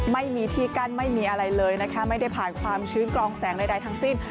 ไม่มีที่กั้นไม่มีอะไรเลยนะคะไม่ได้ผ่านความชื้นกลองแสงใดทั้งสิ้น